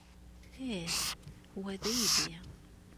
Ih, wa d aydi.